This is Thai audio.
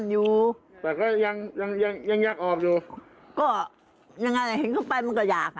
อยู่บ้างเหงาพอเมื่อ